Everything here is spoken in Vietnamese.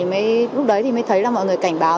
mấy lúc đấy thì mới thấy là mọi người cảnh báo